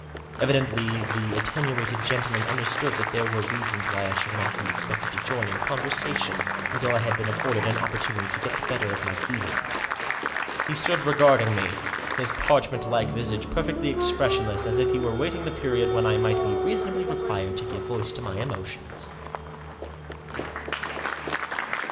Evidently the attenuated gentleman understood that there were reasons why I should not be expected to join in con versation until I had been afforded an opportunity to get the better of my feelings. He stood regarding me, his parchment like visage perfectly expressionless, as if he were awaiting the period when I might be reasonably required to give voice to my emotions.